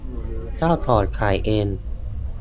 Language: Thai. เจ้าของขายเอง